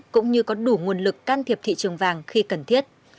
cũng như có đủ nguồn lực can thiệp thị trường vàng khi cần thiết